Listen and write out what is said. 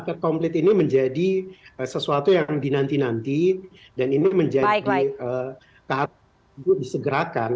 paket komplit ini menjadi sesuatu yang dinanti nanti dan ini menjadi keharusan itu disegerakan